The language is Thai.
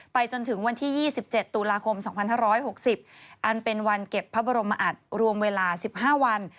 จนถึงวันที่๒๗ตุลาคม๒๕๖๐อันเป็นวันเก็บพระบรมอัตรวมเวลา๑๕วัน